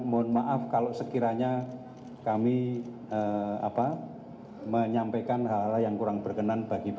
mohon maaf kalau sekiranya kami menyampaikan hal hal yang kurang berkenan